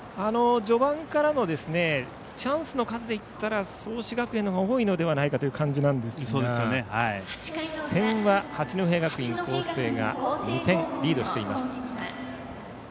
序盤からのチャンスの数でいったら創志学園のほうが多いのではないかという感じですが点は、八戸学院光星が２点リードしています。